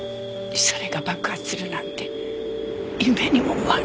それが爆発するなんて夢にも思わない。